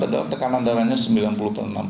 adalah tekanan darahnya sembilan puluh per enam puluh